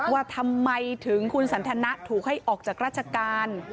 ว่าทำไมถึงคุณสันทนะถูกให้ออกจากราชการ